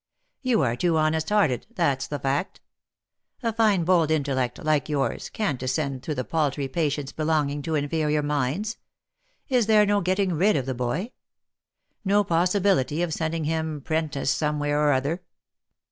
You are too honest hearted, that's the fact. A fine bold intellect, like yours, can't descend to the paltry patience belonging to inferior minds. Is there no getting rid of the boy ? No possibility of sending him 'pren tice some where or other?"